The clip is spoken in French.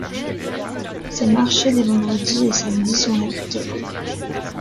Ses marchés des vendredis et samedis sont réputés.